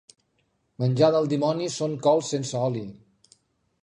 Menjar del dimoni són cols sense oli.